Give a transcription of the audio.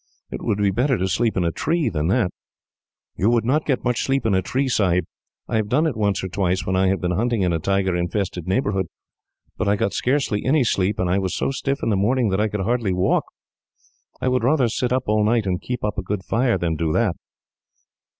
It would be better to sleep in a tree than that." "You would not get much sleep in a tree, Sahib. I have done it once or twice, when I have been hunting in a tiger infested neighbourhood; but I got scarcely any sleep, and was so stiff, in the morning, that I could hardly walk. I would rather sit up all night, and keep up a good fire, than do that."